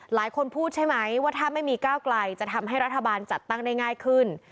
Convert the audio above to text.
หลายคนพูดใช่ไหมว่าถ้าไม่มีก้าวไกลจะทำให้รัฐบาลจัดตั้งได้ง่ายขึ้น